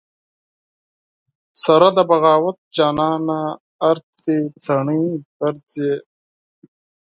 سره د بغاوت جانانه ارتې تڼۍ ګرځې